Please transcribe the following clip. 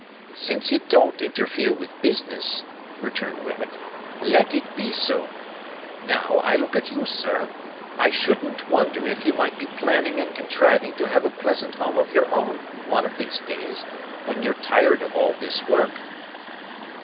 "Since it don't interfere with business," returned Wemmick, "let it be so. Now, I look at you, sir, I shouldn't wonder if you might be planning and contriving to have a pleasant home of your own one of these days, when you're tired of all this work."